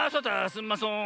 すんまそん。